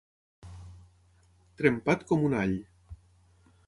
Trempat com un all.